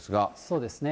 そうですね。